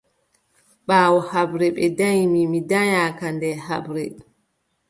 Ɓaawo haɓre ɓe danyi mi, mi danyaaka nder haɓre.